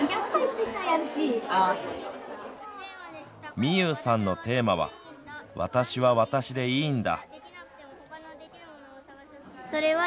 みゆうさんのテーマはわたしはわたしでいいんだ。